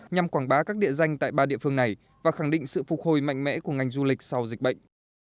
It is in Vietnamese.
nhằm quảng bá các địa danh tại ba địa phương này và khẳng định sự phục hồi mạnh mẽ của ngành du lịch sau dịch bệnh